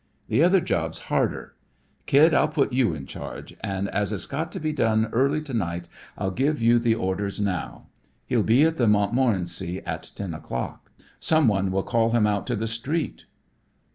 The other job's harder. Kid, I'll put you in charge, an' as it's got to be done early to night I'll give you the orders now. He'll be at The Montmorency at ten o'clock. Someone will call him out to the street."